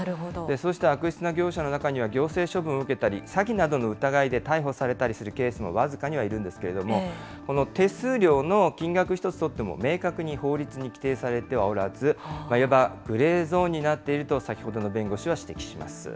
そうした悪質な業者の中には、行政処分を受けたり、詐欺などの疑いで逮捕されたりするケースも僅かにはいるんですけれども、この手数料の、金額一つとっても、明確に法律に規定されてはおらず、いわばグレーゾーンになっていると、先ほどの弁護士は指摘します。